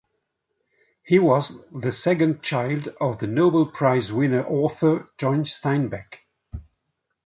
He was the second child of the Nobel Prize-winning author John Steinbeck.